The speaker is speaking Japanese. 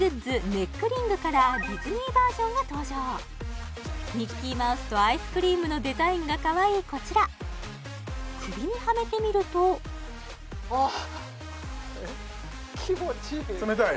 ネックリングからディズニーバージョンが登場ミッキーマウスとアイスクリームのデザインがかわいいこちら首にはめてみるとあっ冷たい？